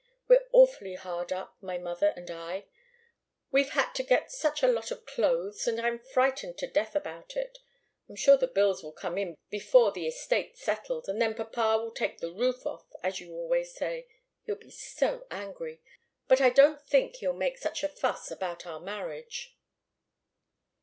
We're awfully hard up, my mother and I. We've had to get such a lot of clothes, and I'm frightened to death about it. I'm sure the bills will come in before the estate's settled, and then papa will take the roof off, as you always say he'll be so angry! But I don't think he'll make such a fuss about our marriage."